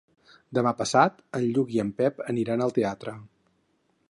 Demà passat en Lluc i en Pep aniran al teatre.